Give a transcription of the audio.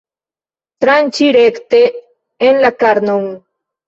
Tranĉi rekte en la karnon.